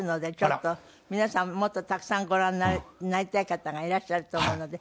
皆さんもっとたくさんご覧になりたい方がいらっしゃると思うので。